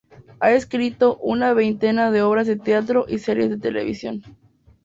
Ha escrito una veintena de obras de teatro y serie de televisión.